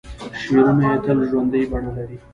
شعرونه یې تل ژوندۍ بڼه لري.